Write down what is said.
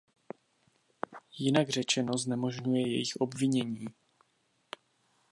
Jinak řečeno znemožňuje jejich obvinění.